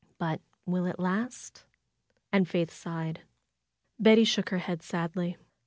But will it last?" And Faith sighed. Betty shook her head sadly.